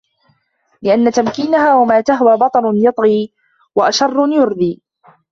لِأَنَّ تَمْكِينَهَا وَمَا تَهْوَى بَطَرٌ يُطْغِي وَأَشَرٌ يُرْدِي